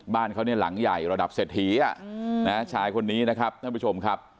บ้านเขาเนี่ยหลังใหญ่ระดับเศรษฐีชายคนนี้นะครับท่านผู้ชมครับ